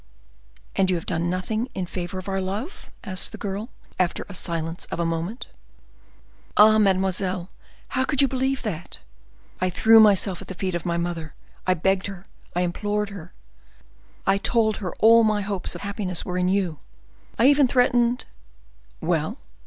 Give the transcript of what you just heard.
"And you have done nothing in favor of our love?" asked the girl, after a silence of a moment. "Ah! mademoiselle, how could you believe that? I threw myself at the feet of my mother; I begged her, I implored her; I told her all my hopes of happiness were in you; I even threatened—" "Well?"